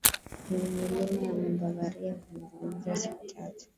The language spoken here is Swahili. kwenye milima ya Bavaria kwa mazungumzo ya siku tatu